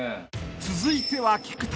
［続いては菊田］